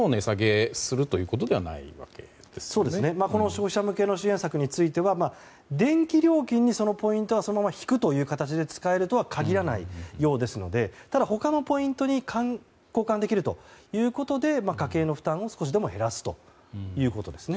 消費者向けの支援策については電気料金にそのポイントはそのまま引くという形で使えるとは限らないということですのでただ、他のポイントに交換できるということで家計の負担を少しでも減らすということです。